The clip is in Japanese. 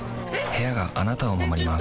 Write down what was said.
部屋があなたを守ります